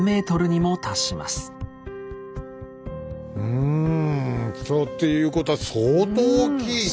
うんということは相当大きい。